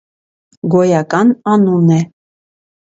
Գոյական անուն է։